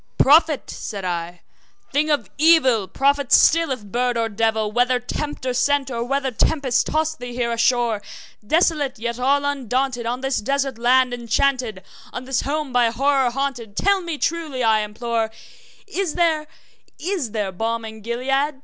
`Prophet!' said I, `thing of evil! prophet still, if bird or devil! Whether tempter sent, or whether tempest tossed thee here ashore, Desolate yet all undaunted, on this desert land enchanted On this home by horror haunted tell me truly, I implore Is there is there balm in Gilead?